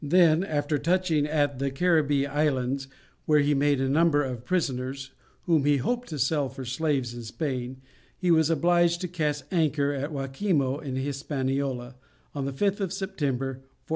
Then, after touching at the Caribbee Islands, where he made a number of prisoners, whom he hoped to sell for slaves in Spain, he was obliged to cast anchor at Yaquimo, in Hispaniola, on the 5th of September, 1499.